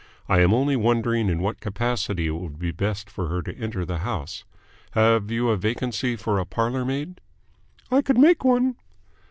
I am only wondering in what capacity it would be best for her to enter the house. Have you a vacancy for a parlour maid?" "I could make one."